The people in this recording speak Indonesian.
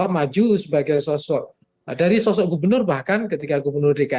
maju sebagai sosok dari sosok gubernur bahkan ketika gubernur dki jakarta